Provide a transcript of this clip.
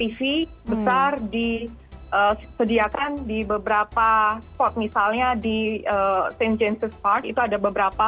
jadi layar tv besar disediakan di beberapa tempat misalnya di st james's park itu ada beberapa